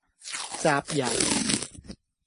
集郵